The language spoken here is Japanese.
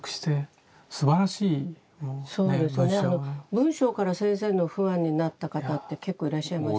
文章から先生のファンになった方って結構いらっしゃいます。